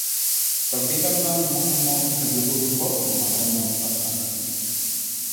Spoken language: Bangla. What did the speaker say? তার পিতার নাম মোহাম্মদ জহুরুল হক ও মাতার নাম ফাতেমা খাতুন।